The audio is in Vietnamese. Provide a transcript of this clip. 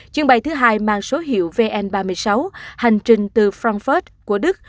chuyến bay thứ hai mang số hiệu vn ba mươi sáu hành trình từ franfast của đức